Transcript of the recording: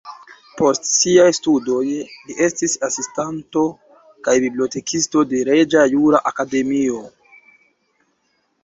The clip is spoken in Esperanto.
Post siaj studoj li estis asistanto kaj bibliotekisto de Reĝa Jura Akademio (Kassa).